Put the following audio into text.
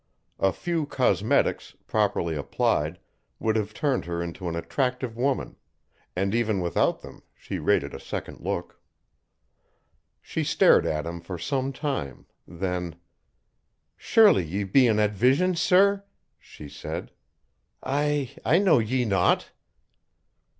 A few cosmetics, properly applied, would have turned her into an attractive woman, and even without them, she rated a second look. She stared at him for some time, then, "Surely ye be an advision, sir," she said. "I ... I know ye not."